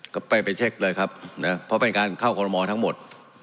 ก็ไปไปเช็คเลยครับนะเพราะเป็นการเข้าคอลโมทั้งหมด